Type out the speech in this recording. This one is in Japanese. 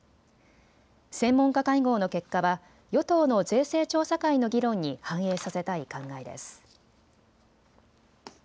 専門家会合の結果は与党の税制調査会の議論に反映させたい考えです。